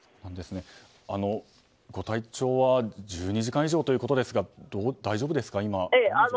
ご体調は１２時間以上ということですが大丈夫ですか、今。